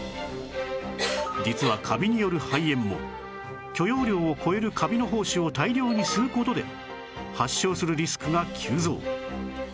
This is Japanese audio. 実はカビによる肺炎も許容量を超えるカビの胞子を大量に吸う事で発症するリスクが急増